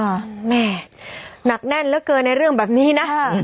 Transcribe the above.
ปรากฏว่าสิ่งที่เกิดขึ้นคลิปนี้ฮะ